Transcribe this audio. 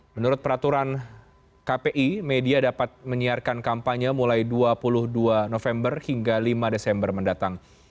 menurut peraturan kpi media dapat menyiarkan kampanye mulai dua puluh dua november hingga lima desember mendatang